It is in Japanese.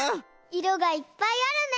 いろがいっぱいあるね。